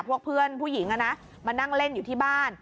พวกเพื่อนผู้หญิงมานั่งเล่นอยู่ที่บ้าน